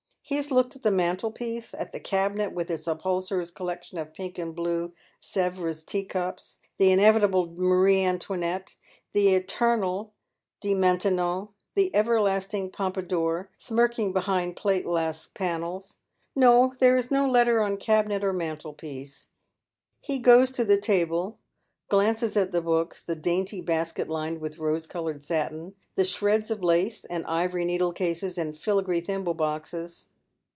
He has looked at the mantelpiece, at the cabinet with ita upholsterer's collection of pink and blue Sevres teacups, the in evitable Marie Antoinette, — the eternal De Maintenon, the everlasting Pompadour, smiiking behind plato glass panels. No, there is no letter on cabinet or mantelpiece. He goes to the table, glances at the books, the dainty basket lined with rose coloured satin, the shreds of lace, and ivory needle cases and filigree thimble boxes.